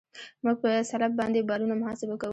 موږ په سلب باندې بارونه محاسبه کوو